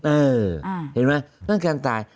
เออเห็นไหมเรื่องการตาย